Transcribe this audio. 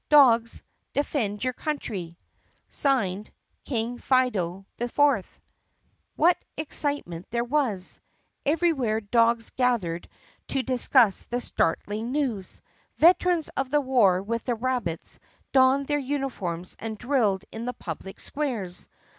DOGS, DEFEND YOUR COUNTRY! (Signed) King Fido IV What excitement there was ! Everywhere dogs gathered to discuss the startling news. Veterans of the war with the rab bits donned their uniforms and drilled in the public squares.